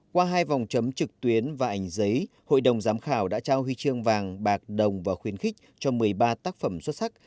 qua hai vòng chấm trực tuyến và ảnh giấy hội đồng giám khảo đã trao huy chương vàng bạc đồng và khuyến khích cho một mươi ba tác phẩm xuất sắc